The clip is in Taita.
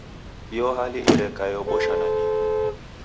Iyo hali ereka eobosha nandighi.